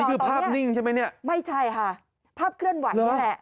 นี่คือภาพนิ่งใช่ไหมเนี่ยไม่ใช่ค่ะภาพเคลื่อนไหวนี่แหละ